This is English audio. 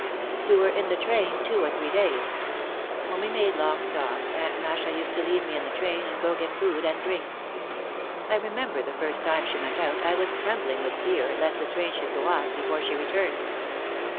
We were in the train two or three days. When we made long stops Aunt Masha used to leave me in the train and go to get food and drink. I remember the first time she went out I was trembling with fear lest the train should go off before she returned.